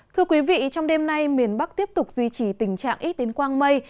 thưa quý vị trong đêm nay miền bắc tiếp tục duy trì tình trạng ít đến quang mây